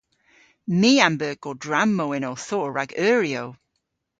My a'm beu godrammow yn ow thorr rag euryow.